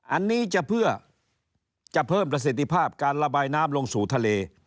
อันนี้จะเพื่อจะเพิ่มประสิทธิภาพการระบายน้ำลงสู่ทะเล